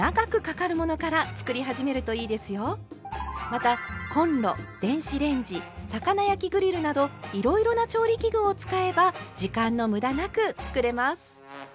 またコンロ電子レンジ魚焼きグリルなどいろいろな調理器具を使えば時間のむだなく作れます。